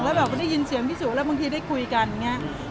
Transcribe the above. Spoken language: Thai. แล้วแบบได้ยินเสียงพี่สุแล้วบางทีได้คุยกันอย่างนี้